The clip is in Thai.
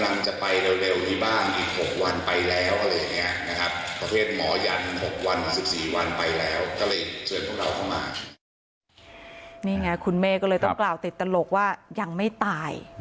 นี่ไงคุณเมฆก็เลยต้องกล่าวติดตลกว่ายังไม่ตาย